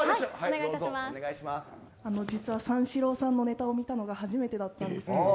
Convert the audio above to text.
実は三四郎さんのネタを見たのが、初めてだったんです。